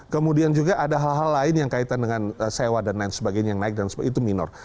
kemudian juga ada hal hal lain yang kaitan dengan sewa dan lain sebagainya yang naik dan itu minor